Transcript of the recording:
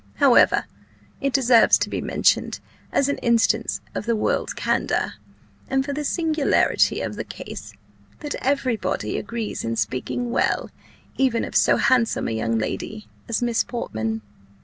However, it deserves to be mentioned, as an instance of the world's candour, and for the singularity of the case, that every body agrees in speaking well even of so handsome a young lady as Miss Portman."